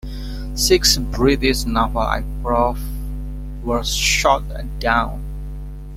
Six British naval aircraft were shot down.